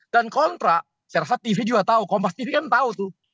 dan kontrak saya rasa tv juga tahu kompas tv kan tahu tuh